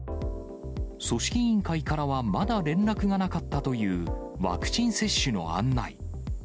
組織委員会からはまだ連絡がなかったという、ワクチン接種の案内。